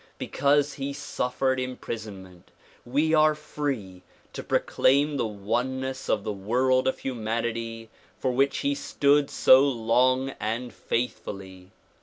Because he suffered imprisonment we are free to proclaim the oneness of the world of humanity for which he stood so long and faithfully.